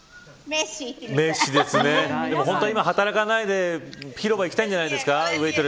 本当は働かないで広場に行きたいんじゃないですか。